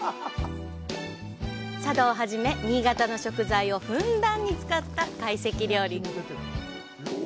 佐渡を初め、新潟の食材をふんだんに使った会席料理。